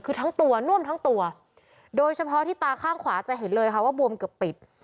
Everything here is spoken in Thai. คือทั้งตัวน่วมทั้งตัวโดยเฉพาะที่ตาข้างขวาจะเห็นเลยค่ะว่าบวมเกือบปิด